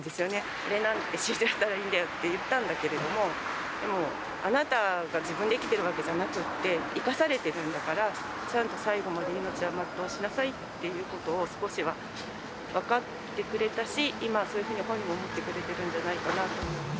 俺なんて死んじゃったらいいんだよって言ったんだけれども、でもあなたが自分で生きてるわけじゃなくて、生かされてるんだから、ちゃんと最後まで命は全うしなさいっていうことを、少しは分かってくれたし、今、そういうふうに本人、思ってくれてるんじゃないかなと。